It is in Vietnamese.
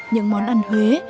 những món ăn huế